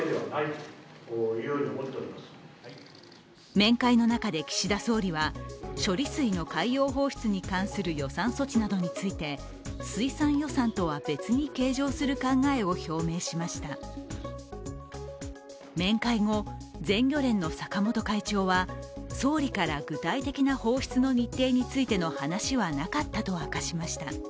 面会の中で岸田総理は処理水の海洋放出に関する予算措置などについて水産予算とは別に計上する考えを表明しました面会後、全漁連の坂本会長は総理から具体的な放出の日程についての話はなかったと明かしました。